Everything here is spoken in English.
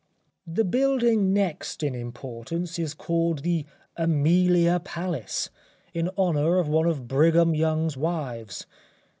The building next in importance is called the Amelia Palace, in honour of one of Brigham YoungŌĆÖs wives.